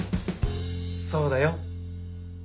そうだよ。